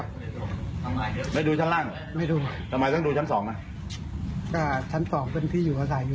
งัดหน้าตางัดเหล็กดัดออกเครื่องมุดเข้าไป